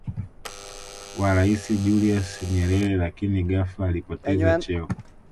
wa Rais Julius Nyerere lakin ghafla alipoteza cheo